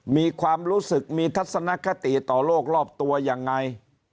มีความรู้สึกมีทัศนคติต่อโลกรอบตัวยังไง